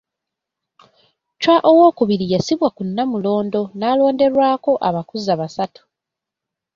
Chwa II yassibwa ku Nnamulondo n'alonderwako abakuza basatu.